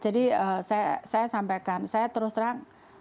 jadi saya saya sampaikan saya terus terang